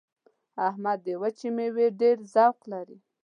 احمد د وچې مېوې ډېر ذوق لري.